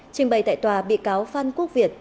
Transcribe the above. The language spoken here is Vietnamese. trình bày tại tòa bị cáo phan quốc việt